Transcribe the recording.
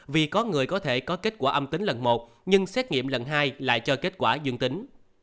vì có người có thể có kết quả âm tính lần một nhưng xét nghiệm lần hai lại cho kết quả dương tính